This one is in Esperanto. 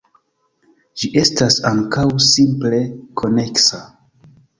Ĝi estas ankaŭ simple-koneksa.